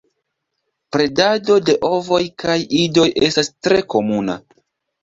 Predado de ovoj kaj idoj estas tre komuna.